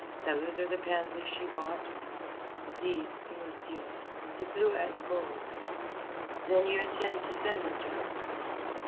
"Those are the pansies she bought?" "These, Monsieur, the blue and gold." "Then you intend to send them to her?"